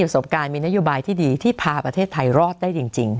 สบายที่ดีที่พาประเทศไทยรอดได้จริง